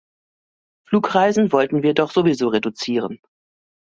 Flugreisen wollten wir doch sowieso reduzieren.